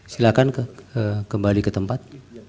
silahkan kembali ke tempat